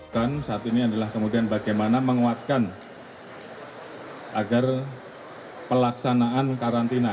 dan saat ini adalah kemudian bagaimana menguatkan agar pelaksanaan karantina